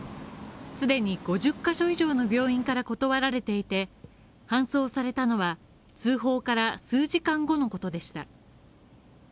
既に５０カ所以上の病院から断られていて、搬送されたのは、通報から数時間後のことでした。